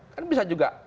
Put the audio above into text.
kan bisa juga